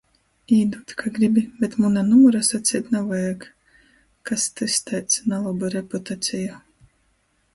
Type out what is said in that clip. Īdūd, ka gribi, bet muna numura saceit navajag... Kas tys taids - naloba reputaceja?